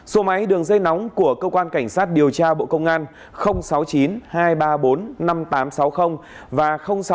số máy đường dây nóng của cơ quan cảnh sát điều tra bộ công an sáu mươi chín hai trăm ba mươi bốn năm nghìn tám trăm sáu mươi và sáu mươi chín hai trăm ba mươi một một nghìn sáu trăm